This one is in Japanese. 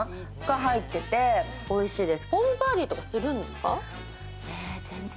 入ってて美味しいです。